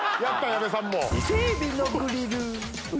矢部さんも。